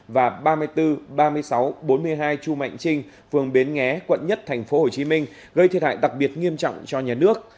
và ba mươi bốn ba mươi sáu bốn mươi hai chu mạnh trinh phường bến nghé quận một tp hcm gây thiệt hại đặc biệt nghiêm trọng cho nhà nước